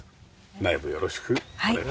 内部よろしくお願いします。